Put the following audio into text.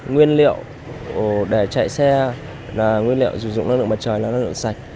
nguyên liệu để chạy xe là nguyên liệu dùng năng lượng mặt trời là năng lượng sạch